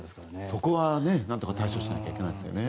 そこは何とか対処しないといけないですよね。